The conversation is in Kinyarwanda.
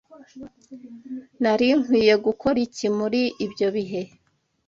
Nari nkwiye gukora iki muri ibyo bihe?